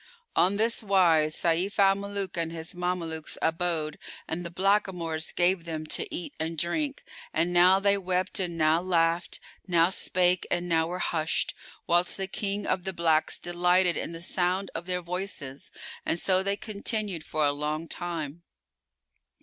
On this wise Sayf al Muluk and his Mamelukes abode and the blackamoors gave them to eat and drink: and now they wept and now laughed, now spake and now were hushed, whilst the King of the blacks delighted in the sound of their voices. And so they continued for a long time.